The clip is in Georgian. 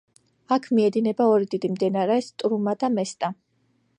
აქ მიედინება ორი დიდი მდინარე სტრუმა და მესტა.